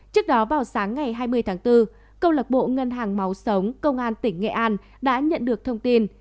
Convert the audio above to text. trước đó vào sáng ngày hai mươi tháng bốn câu lạc bộ ngân hàng máu sống công an tỉnh nghệ an đã nhận được thông tin